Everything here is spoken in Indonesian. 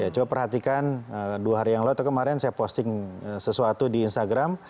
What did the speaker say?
coba perhatikan dua hari yang lalu itu kemarin saya posting dulu